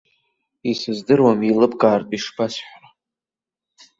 Исыздыруам еилыбкаартә ишбасҳәара.